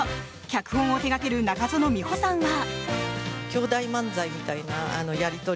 脚本を手掛ける中園ミホさんは。